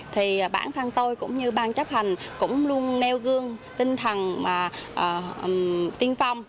thì bản thân tôi cũng như ban chấp hành cũng luôn nêu gương tinh thần mà tiên phong